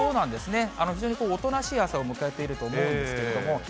非常におとなしい朝を迎えていると思うんですけれども。